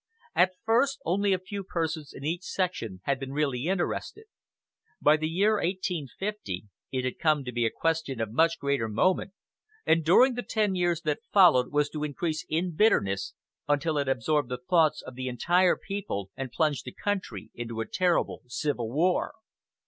At first only a few persons in each section had been really interested. By the year 1850 it had come to be a question of much greater moment, and during the ten years that followed was to increase in bitterness until it absorbed the thoughts of the entire people, and plunged the country into a terrible civil war.